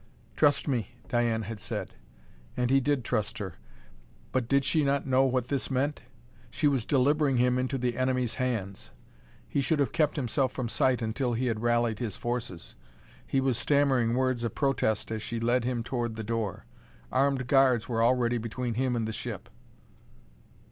"Trust me," Diane had said. And he did trust her. But did she not know what this meant? She was delivering him into the enemy's hands. He should have kept himself from sight until he had rallied his forces.... He was stammering words of protest as she led him toward the door. Armed guards were already between him and the ship.